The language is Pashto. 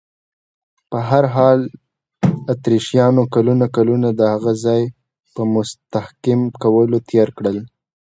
په هر حال، اتریشیانو کلونه کلونه د هغه ځای په مستحکم کولو تېر کړل.